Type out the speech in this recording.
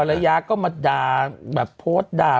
ภรรยาก็มาโดบโดบลุย